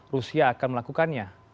rusia akan melakukannya